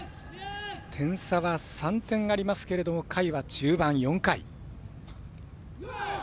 点差は３点ありますけれども回は中盤、４回。